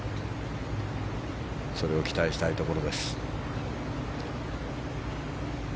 それを期待したいところです。